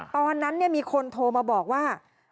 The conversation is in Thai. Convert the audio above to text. ตอนนั้นมีคนโทรมาบอกว่า